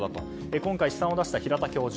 今回試算を出した平田教授